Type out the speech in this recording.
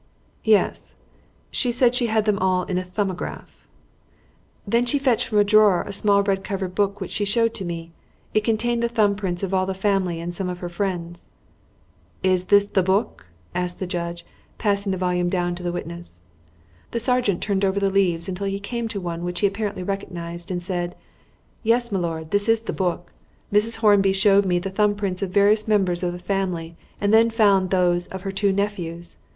"Yes. She said she had them all in a 'Thumbograph.'" "Then she fetched from a drawer a small red covered book which she showed to me. It contained the thumb prints of all the family and some of her friends." "Is this the book?" asked the judge, passing the volume down to the witness. The sergeant turned over the leaves until he came to one which he apparently recognised, and said "Yes, m'lord; this is the book. Mrs. Hornby showed me the thumb prints of various members of the family, and then found those of the two nephews.